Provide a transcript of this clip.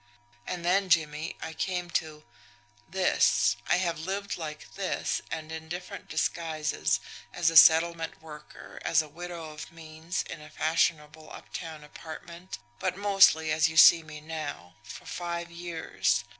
And then, Jimmie, I came to this, I have lived like this and in different disguises, as a settlement worker, as a widow of means in a fashionable uptown apartment, but mostly as you see me now for five years.